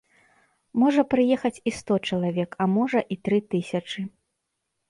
Можа прыехаць і сто чалавек, а можа і тры тысячы.